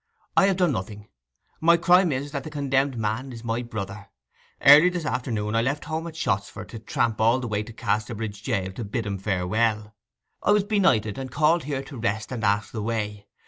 I have done nothing; my crime is that the condemned man is my brother. Early this afternoon I left home at Shottsford to tramp it all the way to Casterbridge jail to bid him farewell. I was benighted, and called here to rest and ask the way.